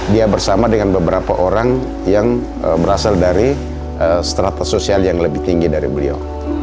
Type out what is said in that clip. dia bersama dengan beberapa orang yang berasal dari strata sosial yang lebih tinggi dari beliau